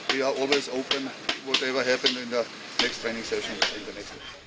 kita selalu terbuka apapun yang terjadi di sesi latihan berikutnya